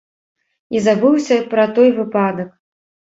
І забыўся пра той выпадак.